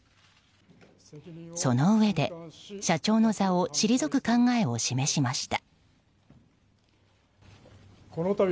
そのうえで、社長の座を退く考えを示しました。